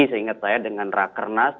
seingat saya dengan rakernas